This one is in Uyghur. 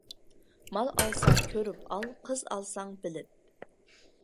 مال ئالساڭ كۆرۈپ ئال، قىز ئالساڭ بىلىپ.